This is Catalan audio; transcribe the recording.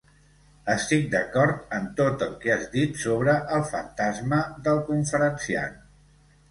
Estic d'acord en tot el que has dit sobre el fantasma del conferenciant.